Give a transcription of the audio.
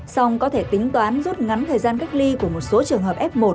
xong có thể tính toán rút ngắn thời gian cách ly của một số trường hợp f một